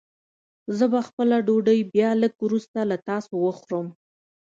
زه به خپله ډوډۍ بيا لږ وروسته له تاسو وخورم.